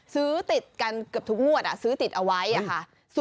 ซื้อติดกันเกือบทุกงวดซื้อติดเอาไว้ค่ะ